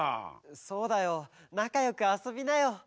そうだよなかよくあそびなよ。